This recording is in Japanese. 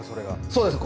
そうです。